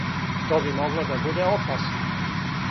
То би могло да буде опасно.